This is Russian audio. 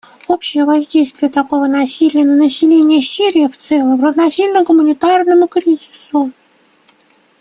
Общее воздействие такого насилия на население Сирии в целом равносильно гуманитарному кризису.